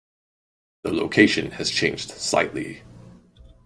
The location has changed slightly.